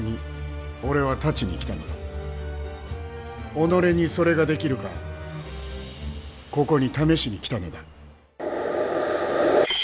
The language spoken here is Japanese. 己にそれができるかここに試しに来たのだ。